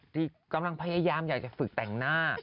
ที่กำลังพยายามอยากจะฝึกแต่งหน้า